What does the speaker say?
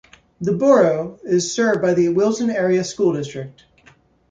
The Borough is served by the Wilson Area School District.